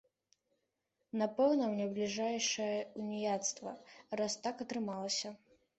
Напэўна, мне бліжэйшае ўніяцтва, раз так атрымалася.